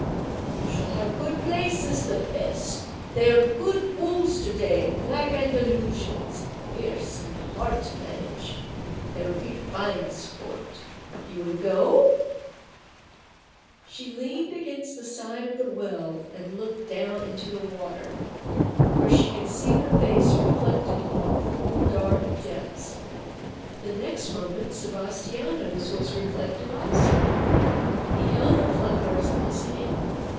"You shall have good places the best. They are good bulls to day, black Andalusians, fierce and hard to manage. There will be fine sport. You will go?" [Illustration: She leaned against the side of the well 095] She leaned against the side of the well and looked down into the water, where she could see her face reflected in the cool, dark depths. The next moment Sebastiano's was reflected also. He held the flowers in his hand.